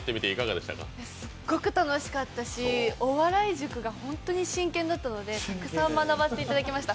すっごく楽しかったし、お笑い塾がホントに真剣だったのでたくさん学ばせていただきました。